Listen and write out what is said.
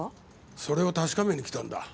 それを確かめに来たんだ。